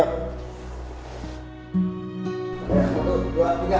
satu dua tiga